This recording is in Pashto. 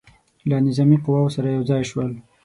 له نظامي قواوو سره یو ځای شول.